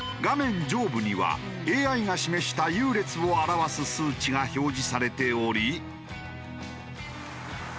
上部にはＡＩが示した優劣を表す数値が表示されており。